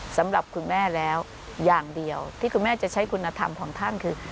สำหรับคุณแม่แล้วอย่างเดียวที่คุณแม่จะใช้คุณธรรมของท่านคือ